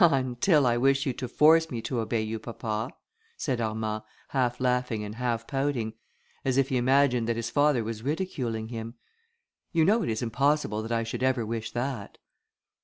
"Until I wish you to force me to obey you, papa?" said Armand, half laughing and half pouting, as if he imagined that his father was ridiculing him. "You know it is impossible that I should ever wish that."